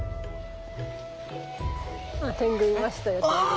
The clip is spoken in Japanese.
あ天狗いましたよ天狗。